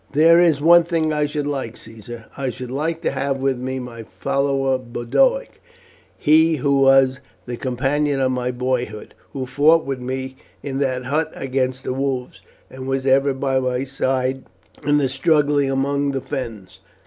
"There is one thing I should like, Caesar; I should like to have with me my follower Boduoc, he who was the companion of my boyhood, who fought with me in that hut against the wolves, and was ever by my side in the struggle among our fens.